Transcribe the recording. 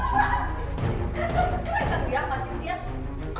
kasar sekali kan dia sama cynthia